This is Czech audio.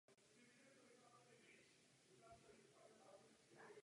To neznamená automatický pokles platů.